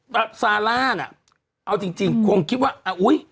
แบบซาร่าอ่ะเอาจริงจริงคงคิดว่าอ่ะอุ้ย